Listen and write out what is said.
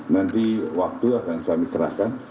nanti waktu akan saya mencerahkan